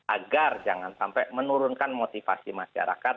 agar jangan sampai menurunkan motivasi masyarakat